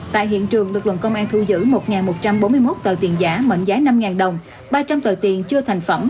tại hiện trường lực lượng công an thu giữ một một trăm bốn mươi một tờ tiền giả mệnh giá năm đồng ba trăm linh tờ tiền chưa thành phẩm